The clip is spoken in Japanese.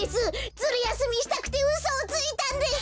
ズルやすみしたくてうそをついたんです！